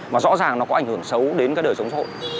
mà rõ ràng nó có ảnh hưởng xấu đến cái đời sống xã hội